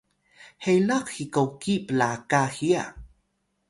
helax hikoki plaka hiya